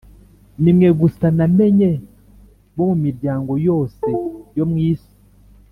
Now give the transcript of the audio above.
“Ni mwe gusa namenye bo mu miryango yose yo mu isi